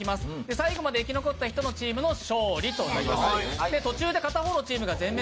最後まで生き残った人のいるチームの勝利となります。